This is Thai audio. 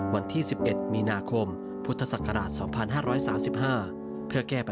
วันที่๑๑มีนาคมพุทธศักราช๒๕๐๐ใต้